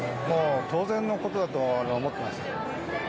当然のことだと思っています。